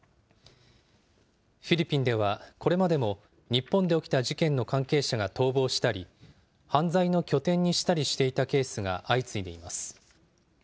フィリピンでは、これまでも日本で起きた事件の関係者が逃亡したり、犯罪の拠点にしたりしていたケースが相次いでいます。